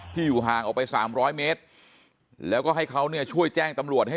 อยู่ห่างออกไป๓๐๐เมตรแล้วก็ให้เขาเนี่ยช่วยแจ้งตำรวจให้